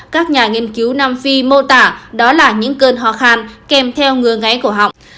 các nhà nghiên cứu nam phi mô tả đó là những cơn ho khăn kèm theo ngừa ngáy cổ họng